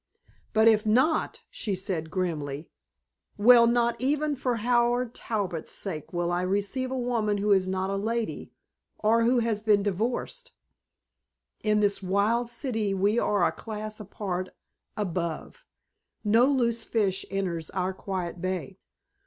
"But if not," she said grimly "well, not even for Howard Talbot's sake will I receive a woman who is not a lady, or who has been divorced. In this wild city we are a class apart, above. No loose fish enters our quiet bay.